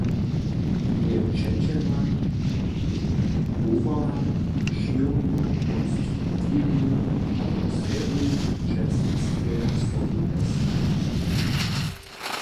Jeje přećelna powaha přijomnu, konstruktiwnu atmosferu w předsydstwje sobu postaja.